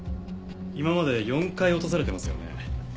今まで４回落とされてますよね？